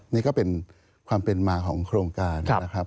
นี่ก็เป็นความเป็นมาของโครงการ